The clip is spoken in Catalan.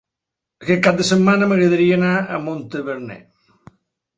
Aquest cap de setmana m'agradaria anar a Montaverner.